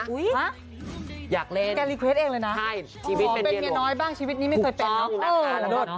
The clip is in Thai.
อุ๊ยอยากเล่นใช่ชีวิตเป็นเมียหลวงถูกต้องนะคะแล้วกัน